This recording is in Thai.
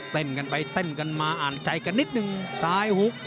เต้นกันไปเต้นกันมาอ่านใจกันนิดนึงซ้ายหุก